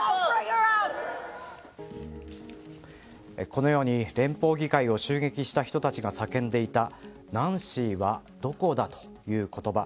このように、連邦議会を襲撃した人たちが叫んでいたナンシーはどこだという言葉。